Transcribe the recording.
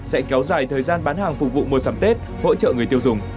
sẽ kéo dài thời gian bán hàng phục vụ mùa sắm tết hỗ trợ người tiêu dùng